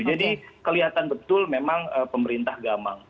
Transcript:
jadi kelihatan betul memang pemerintah gamang